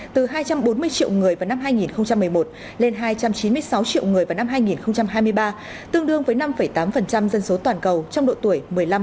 từ hai trăm bốn mươi triệu người vào năm hai nghìn một mươi một lên hai trăm chín mươi sáu triệu người vào năm hai nghìn hai mươi ba tương đương với năm tám dân số toàn cầu trong độ tuổi một mươi năm